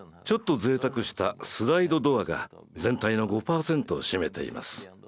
ちょっと贅沢したスライドドアが全体の５％を占めています。